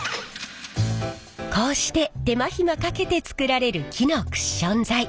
こうして手間ひまかけて作られる木のクッション材。